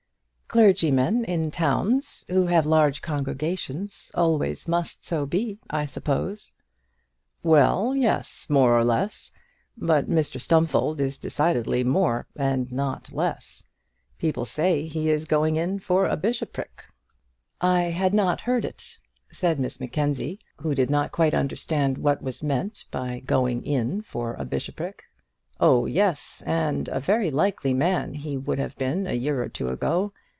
"Clergymen in towns, who have large congregations, always must so be, I suppose." "Well, yes; more or less. But Mr Stumfold is decidedly more, and not less. People say he is going in for a bishopric." "I had not heard it," said Miss Mackenzie, who did not quite understand what was meant by going in for a bishopric. "Oh, yes, and a very likely man he would have been a year or two ago.